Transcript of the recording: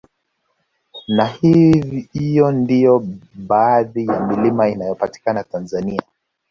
Na hiyo ndiyo baadhi ya milima inayopatikana Tanzania